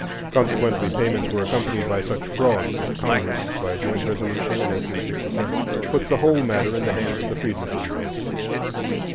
Consequently, payments were accompanied by such frauds that Congress, by joint resolution in 1867, put the whole matter in the hands of the Freedmen's Bureau.